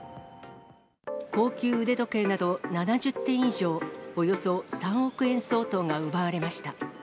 高級腕時計など７０点以上、およそ３億円相当が奪われました。